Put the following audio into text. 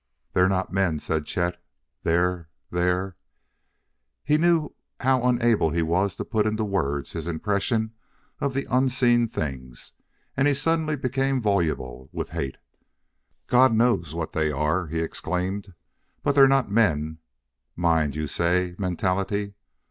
"They're not men," said Chet; "they're they're " He knew how unable he was to put into words his impression of the unseen things, and he suddenly became voluble with hate. "God knows what they are!" he exclaimed, "but they're not men. 'Mind', you say; 'mentality!'